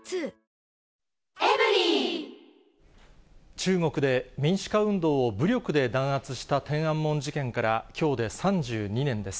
中国で、民主化運動を武力で弾圧した天安門事件からきょうで３２年です。